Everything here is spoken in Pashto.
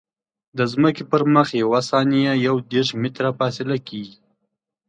د ځمکې پر مخ یوه ثانیه یو دېرش متره فاصله کیږي